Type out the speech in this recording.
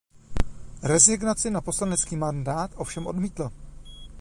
Rezignaci na poslanecký mandát ovšem odmítl.